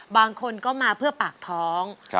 บางคนก็มาเพื่อปากท้อง